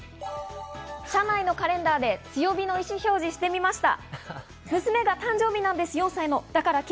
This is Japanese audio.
社内のカレンダーで強火の意思表示をしてみました。